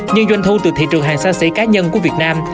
nhưng doanh thu từ thị trường hàng xa xỉ cá nhân của việt nam